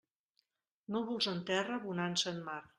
Núvols en terra, bonança en mar.